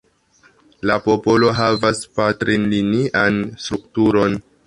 La popolo havas patrinlinian strukturon.